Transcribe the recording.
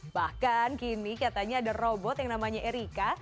bahkan kini katanya ada robot yang namanya erika